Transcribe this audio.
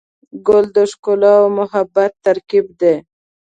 ګل د ښکلا او محبت ترکیب دی.